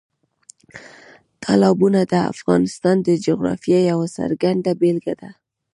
تالابونه د افغانستان د جغرافیې یوه څرګنده بېلګه ده.